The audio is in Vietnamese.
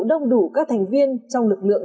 đông đủ các thành viên trong lực lượng